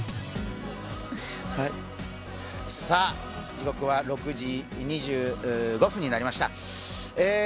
時刻は６時２５分になりました。